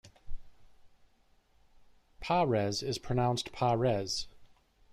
"Pares" is pronounced "pah-res.